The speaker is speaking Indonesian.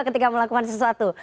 ketika melakukan sesuatu